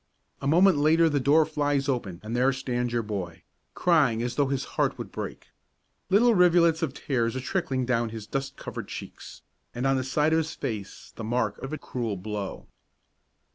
A moment later the door flies open and there stands your boy, crying as though his heart would break. Little rivulets of tears are trickling down his dust covered cheeks, and on the side of his face is the mark of a cruel blow.